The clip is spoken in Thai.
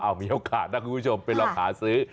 มีโอกาสนะคุณผู้ชมไปลองหาซื้อ